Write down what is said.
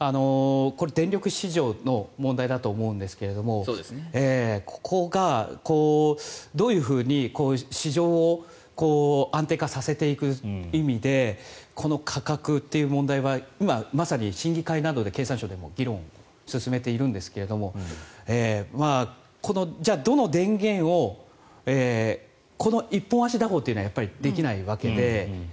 電力市場の問題だと思うんですがここが、どういうふうに市場を安定化させていく意味でこの価格という問題は今、まさに審議会などで経産省でも議論を進めているんですがどの電源をこの一本足打法というのはできないわけで。